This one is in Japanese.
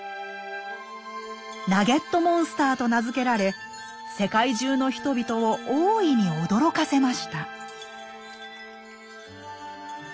「ナゲットモンスター」と名付けられ世界中の人々を大いに驚かせました。